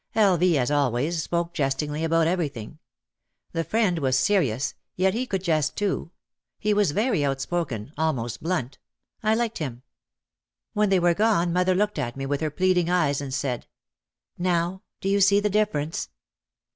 L. V., as always, spoke jestingly about everything. The friend was seri ous, yet he could jest too. He was very outspoken, al most blunt. I liked him. When they were gone mother looked at me with her pleading eyes and said, "Now, do you see the difference